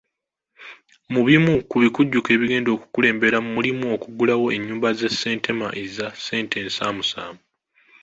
Mu bimu ku bikujjuko ebigenda okukulemberamu, mulimu okuggulawo ennyumba z’e Ssentema eza ssente ensaamusaamu.